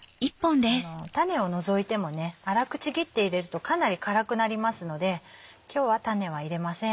種を除いても粗くちぎって入れるとかなり辛くなりますので今日は種は入れません。